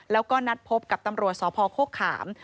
แล้วก็นัดพบกับตำรวจสพโฆขาม